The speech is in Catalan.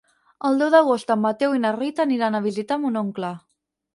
El deu d'agost en Mateu i na Rita aniran a visitar mon oncle.